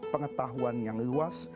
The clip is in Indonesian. pengetahuan yang luas